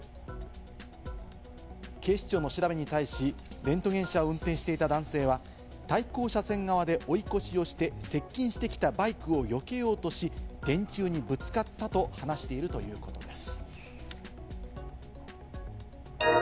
警視庁の調べに対し、レントゲン車を運転していた男性は対向車線側で追い越しをして接近してきたバイクをよけようとし、電柱にぶつかったと話しているということです。